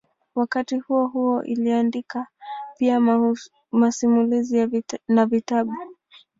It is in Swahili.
Wakati huohuo aliandika pia masimulizi na vitabu.